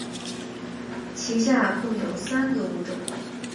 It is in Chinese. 其下共有三个物种。